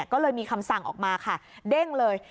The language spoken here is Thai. ก็เลยมีคำสั่งออกมาค่ะเด้งเลย